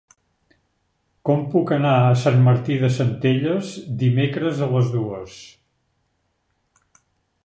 Com puc anar a Sant Martí de Centelles dimecres a les dues?